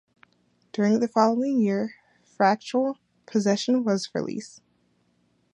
During the following year, "Fractal Possession" was released.